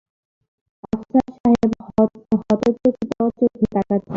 আফসার সাহেব হতচকিত চোখে তাকাচ্ছেন।